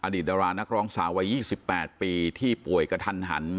ดารานักร้องสาววัย๒๘ปีที่ป่วยกระทันหัน